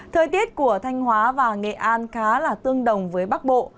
thời tiết của thanh hóa và nghệ an khá là tương đồng với bắc bộ